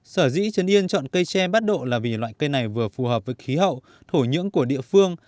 sở dĩ trấn yên chọn cây tre bắt độ là vì loại cây này vừa phù hợp với khí hậu thổ nhưỡng của địa phương